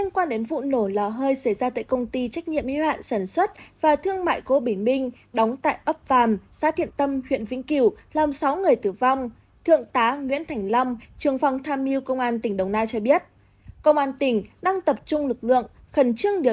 các bạn có thể nhớ like share và đăng ký kênh để ủng hộ kênh của chúng mình nhé